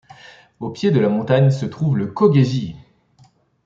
Au pied de la montagne se trouve le Koge-ji.